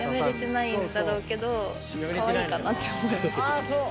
ああそう。